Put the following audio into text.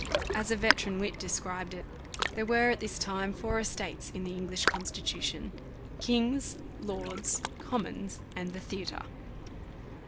As a veteran wit described it, "There were at this time four estates in the English Constitution, kings, lords, commons, and the theatre."